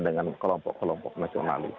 dengan kelompok kelompok nasionalis